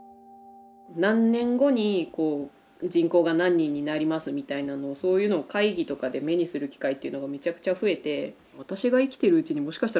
何年後に人口が何人になりますみたいなのをそういうのを会議とかで目にする機会っていうのがめちゃくちゃ増えて。